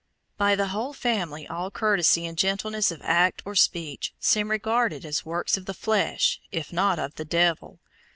By the whole family all courtesy and gentleness of act or speech seem regarded as "works of the flesh," if not of "the devil."